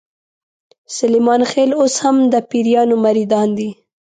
سلیمان خېل اوس هم د پیرانو مریدان دي.